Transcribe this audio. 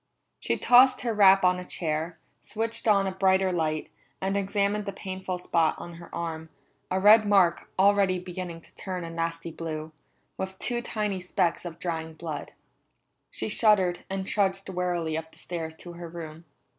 She tossed her wrap on a chair, switched on a brighter light, and examined the painful spot on her arm, a red mark already beginning to turn a nasty blue, with two tiny specks of drying blood. She shuddered, and trudged wearily up the stairs to her room.